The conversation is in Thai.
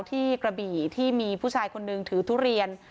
กระบี่ที่มีผู้ชายคนนึงถือทุเรียน